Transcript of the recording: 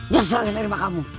ya susah saya menerima kamu